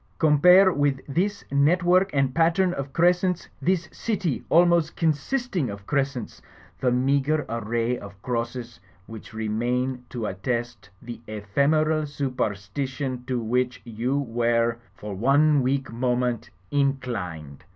Compare with this network and pattern of crescents, this city almost consisting of crescents, the meagre array of crosses, which remain to attest the ephemeral superstition to which you were, for one weak moment, inclined."